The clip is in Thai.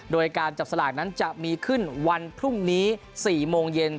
โดยการจับสลากนั้นจะมีขึ้นวันพรุ่งนี้๔โมงเย็น